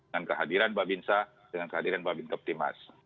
dengan kehadiran mbak bin sa dengan kehadiran mbak bin kapte mas